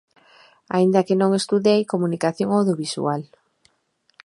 Aínda que non estudei comunicación audiovisual.